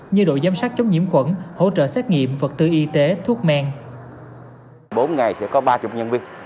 như đội giám sát chống nhiễm khuẩn hỗ trợ xét nghiệm vật tư y tế thuốc men